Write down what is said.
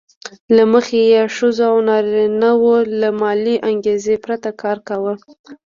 له مخې یې ښځو او نارینه وو له مالي انګېزې پرته کار کاوه